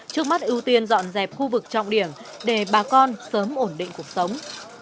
trước mắt ưu tiên dọn dẹp khu vực trọng điểm để bà con sớm ổn định cuộc sống